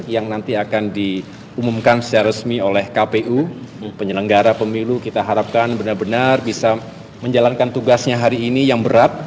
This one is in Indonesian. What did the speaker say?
yang nanti akan diumumkan secara resmi oleh kpu penyelenggara pemilu kita harapkan benar benar bisa menjalankan tugasnya hari ini yang berat